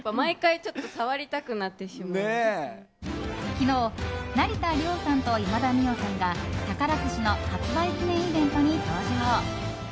昨日、成田凌さんと今田美桜さんが宝くじの発売記念イベントに登場。